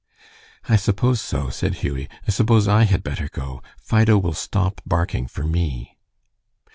"I suppose so," said Hughie. "I suppose I had better go. Fido will stop barking for me."